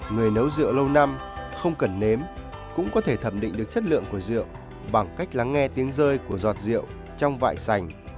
người nấu rượu lâu năm không cần nếm cũng có thể thẩm định được chất lượng của rượu bằng cách lắng nghe tiếng rơi của giọt rượu trong vải sành